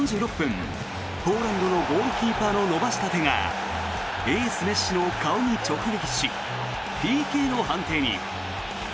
前半３６分、ポーランドのゴールキーパーの伸ばした手がエースメッシの顔に直撃しＰＫの判定に。